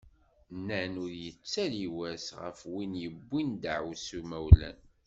Nnan ur yettali wass, ɣef win yewwin daεwessu imawlan.